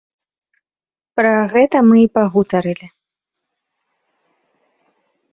Пра гэта мы і пагутарылі.